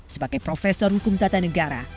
sebagai profesor hukum tata negara